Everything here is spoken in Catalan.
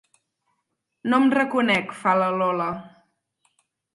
No em reconec, fa la Lola.